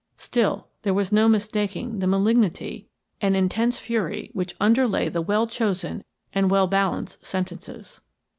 Still, there was no mistaking the malignity and intense fury which underlay the well chosen and well balanced sentences.